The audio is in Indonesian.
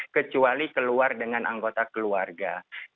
kecuali keluar dengan anggota keluarga